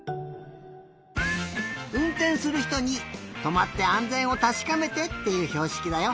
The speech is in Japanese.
うんてんするひとにとまってあんぜんをたしかめてっていうひょうしきだよ。